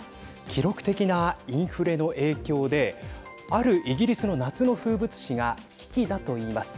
記録的なインフレの影響であるイギリスの夏の風物詩が危機だといいます。